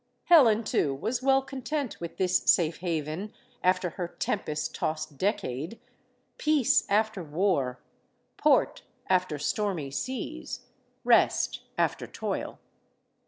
Helen, too, was well content with this safe haven after her tempest tossed decade "Peace after war; port after stormy seas; rest after toil."